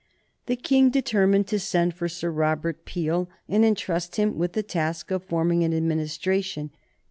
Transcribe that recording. The King determined to send for Sir Robert Peel and intrust him with the task of forming an Administration.